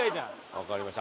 わかりました。